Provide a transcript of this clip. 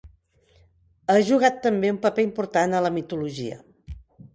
Ha jugat també un paper important a la mitologia.